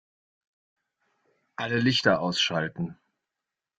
Alle Lichter ausschalten